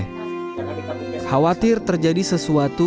khawatir terjadi sesuatu